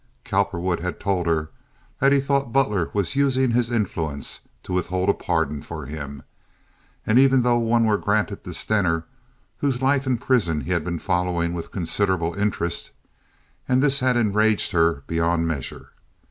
Cowperwood had told her that he thought Butler was using his influence to withhold a pardon for him, even though one were granted to Stener, whose life in prison he had been following with considerable interest; and this had enraged her beyond measure.